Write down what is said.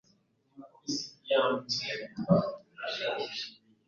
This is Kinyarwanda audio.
gushaka kwica azira gutera nyina icyuma.